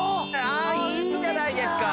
あぁいいじゃないですか。